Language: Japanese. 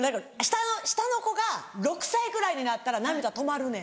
下の子が６歳ぐらいになったら涙止まるねん。